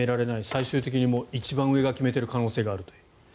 最終的に一番上が決めている可能性があると。